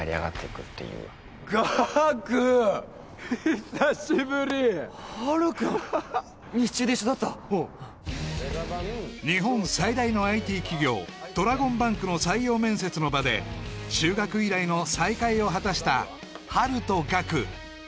久しぶりハルくん西中で一緒だったおう日本最大のＩＴ企業ドラゴンバンクの採用面接の場で中学以来の再会を果たしたハルとガク